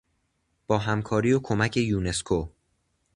با همکاری و کمک یونسکو